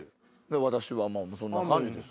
私はそんな感じです。